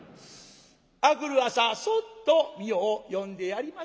明くる朝そっとみよを呼んでやりまして。